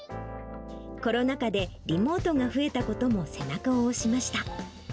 コロナ禍でリモートが増えたことも背中を押しました。